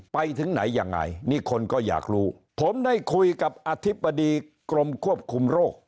ไปถึงไหนยังไงนี่คนก็อยากรู้ผมได้คุยกับอธิบดีกรมควบคุมโรค